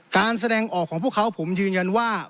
แสดงออกของพวกเขาผมยืนยันว่า